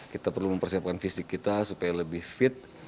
kita perlu mempersiapkan fisik kita supaya lebih fit